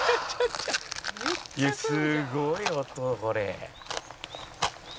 「すごい音これ」